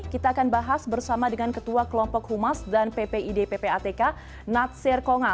kita akan bahas bersama dengan ketua kelompok humas dan ppid ppatk natsir konga